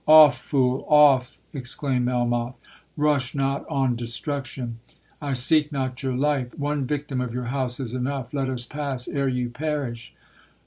'Off, fool—off!' exclaimed Melmoth 'Rush not on destruction!—I seek not your life—one victim of your house is enough—let us pass ere you perish!'